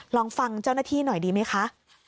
ลองฟังเจ้าหน้าที่หน่อยดีไหมคะ